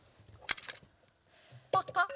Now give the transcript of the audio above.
パカッ。